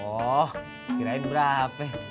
oh kirain berapa ya